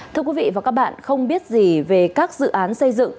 thưa quý vị và các bạn không biết gì về các dự án xây dựng